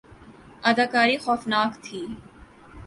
اداکاری خوفناک تھی